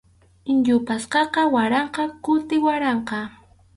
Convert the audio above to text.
Yupaspaqa waranqa kuti waranqa.